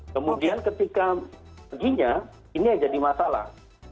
kemudian ketika perginya ini yang jadi masalah